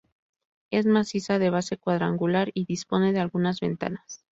Es maciza, de base cuadrangular y dispone de algunas ventanas.